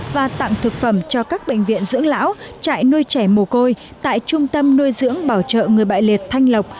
và tặng thực phẩm cho các bệnh viện dưỡng lão trại nuôi trẻ mồ côi tại trung tâm nuôi dưỡng bảo trợ người bại liệt thanh lộc